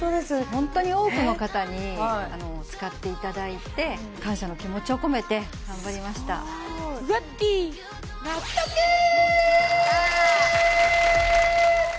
ホントに多くの方に使っていただいて感謝の気持ちを込めて頑張りましたすごいやったー！